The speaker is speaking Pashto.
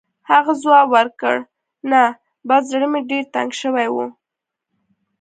هغه ځواب ورکړ: «نه، بس زړه مې ډېر تنګ شوی و.